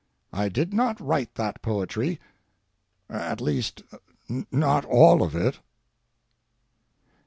I did not write that poetry—at least, not all of it.